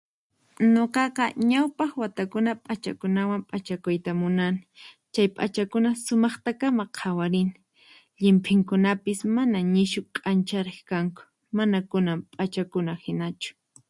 Nuqaqa ñawpaq watakuna p'achakunawan p'achakuyta munani, chay p'achakuna sumaqtakama qhawarini, llimphinkunapis mana nishu k'anchariq kanku mana kunan p'achakuna hinachu.